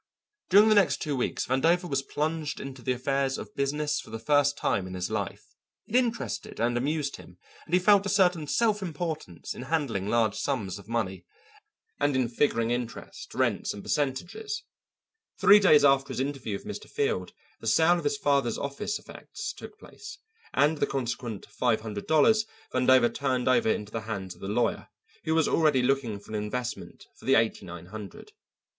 During the next two weeks Vandover was plunged into the affairs of business for the first time in his life. It interested and amused him, and he felt a certain self importance in handling large sums of money, and in figuring interest, rents, and percentages. Three days after his interview with Mr. Field the sale of his father's office effects took place, and the consequent five hundred dollars Vandover turned over into the hands of the lawyer, who was already looking for an investment for the eighty nine hundred.